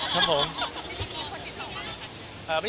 แกต้องติดต่อมาหรือไง